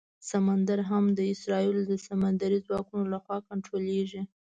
سمندر هم د اسرائیلو د سمندري ځواکونو لخوا کنټرولېږي.